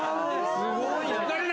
すごいな。